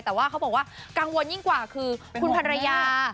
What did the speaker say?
แต่ว่าเขาบอกว่ากังวลยิ่งกว่าคือคุณภรรยา